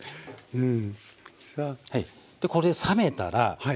うん。